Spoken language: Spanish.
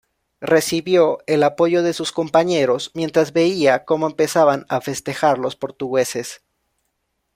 Recibió el apoyo de sus compañeros, mientras veía cómo empezaban a festejar los portugueses.